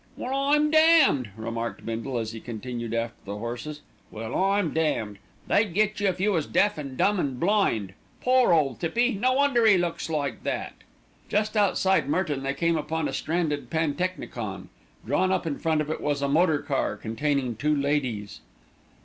"Well, I'm damned!" remarked Bindle, as he continued after the horses. "Well, I'm damned! They'd get you if you was deaf an' dumb an' blind. Pore ole Tippy! no wonder 'e looks like that." Just outside Merton they came upon a stranded pantechnicon. Drawn up in front of it was a motor car containing two ladies.